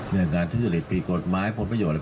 เรื่องการที่จะหลีกภีร์กฎหมายผลประโยชน์อะไร